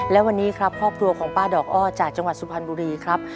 และวันนี้ครับครอบครัวของป้าดอกอ้อจากจังหวัดสุพรรณบุรีครับ